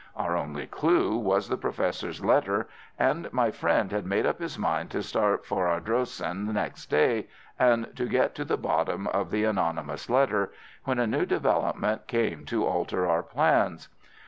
Our only clue was the Professor's letter, and my friend had made up his mind to start for Ardrossan next day, and to get to the bottom of the anonymous letter, when a new development came to alter our plans.